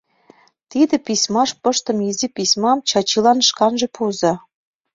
Тиде письмаш пыштыме изи письмам Чачилан шканже пуыза».